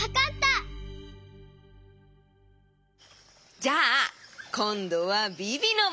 じゃあこんどはビビのばん。